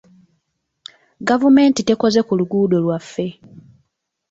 Gavumenti tekoze ku luguuddo lwaffe